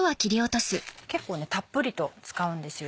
結構たっぷりと使うんですよ。